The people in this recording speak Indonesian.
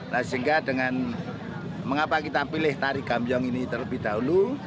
nah sehingga dengan mengapa kita pilih tari gambiong ini terlebih dahulu